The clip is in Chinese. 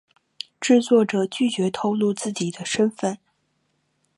制作者拒绝透露自己的身份。